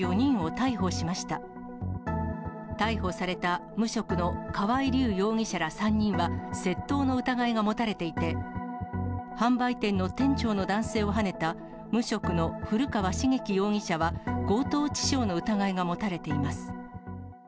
逮捕された無職の河合竜容疑者ら３人は、窃盗の疑いが持たれていて、販売店の店長の男性をはねた無職の古川茂樹容疑者は、強盗致傷の疑いが持たれています。